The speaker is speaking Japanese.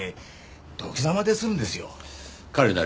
土下座までするんですよ。